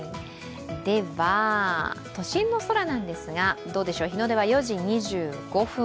では都心の空なんですが、日の出は４時２５分。